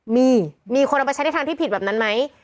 มีมีคนเอาไปใช้ในทางที่ผิดแบบนั้นไหม